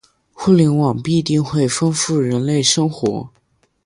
互联网必定会丰富人类生活